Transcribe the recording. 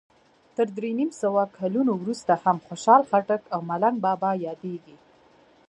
تر درې نیم سوو کلونو وروسته هم خوشال خټک او ملنګ بابا یادیږي.